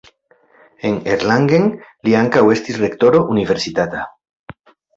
En Erlangen li ankaŭ estis rektoro universitata.